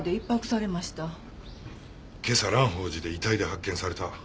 今朝蘭鳳寺で遺体で発見された。